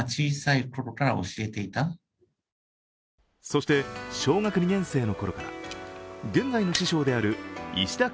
そして、しょうがく２年生のころから現在の師匠である石田